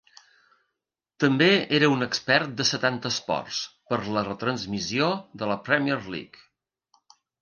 També era un expert de Setanta Sports per a la retransmissió de la Premier League.